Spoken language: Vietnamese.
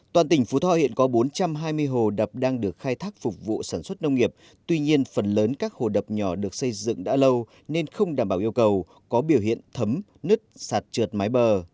toàn tỉnh phú thọ hiện có bốn trăm hai mươi hồ đập đang được khai thác phục vụ sản xuất nông nghiệp tuy nhiên phần lớn các hồ đập nhỏ được xây dựng đã lâu nên không đảm bảo yêu cầu có biểu hiện thấm nứt sạt trượt mái bờ